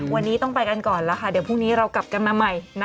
วันนี้ต้องไปกันก่อนแล้วค่ะเดี๋ยวพรุ่งนี้เรากลับกันมาใหม่